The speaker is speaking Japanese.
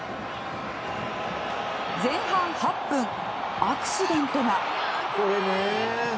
前半８分、アクシデントが。